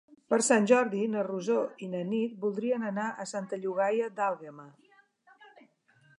Per Sant Jordi na Rosó i na Nit voldrien anar a Santa Llogaia d'Àlguema.